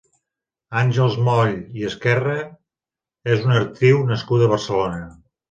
Àngels Moll i Esquerra és una actriu nascuda a Barcelona.